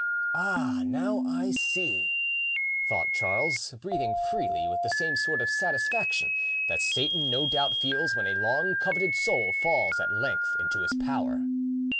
"Ah, now I see," thought Charles, breathing freely, with the same sort of satisfaction that Satan no doubt feels when a long coveted soul falls at length into his power.